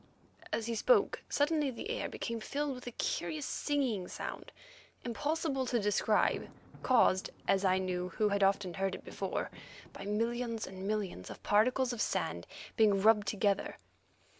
As he spoke, suddenly the air became filled with a curious singing sound impossible to describe, caused as I knew, who had often heard it before, by millions and millions of particles of sand being rubbed together.